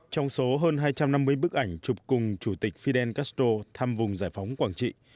trong số hơn hai trăm năm mươi bức ảnh chụp cùng chủ tịch fidel castro thăm vùng giải phóng quảng trị